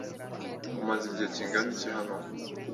Mumaze igihe kingana iki hano?